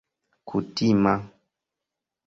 kutima